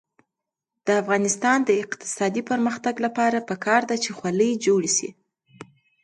د افغانستان د اقتصادي پرمختګ لپاره پکار ده چې خولۍ جوړې شي.